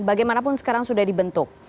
bagaimanapun sekarang sudah dibentuk